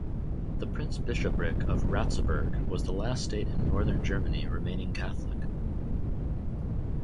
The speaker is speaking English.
The Prince-Bishopric of Ratzeburg was the last state in Northern Germany remaining Catholic.